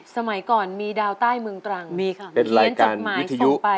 สมัยก่อนมีดาวใต้เมืองตรังมีค่ะเห็นจัดหมายส่งไปเป็นรายการวิทยุ